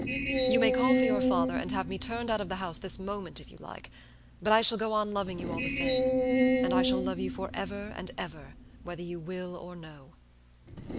You may call for your father, and have me turned out of the house this moment, if you like; but I shall go on loving you all the same; and I shall love you forever and ever, whether you will or no."